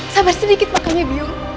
sabar sedikit makanya biung